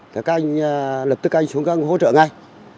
thì các anh lập tức anh xuống căng hỗ trợ ngay